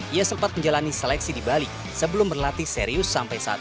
ia sempat menjalani seleksi di bali sebelum berlatih serius sampai saat ini